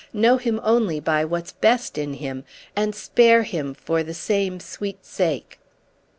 Know him only by what's best in him and spare him for the same sweet sake."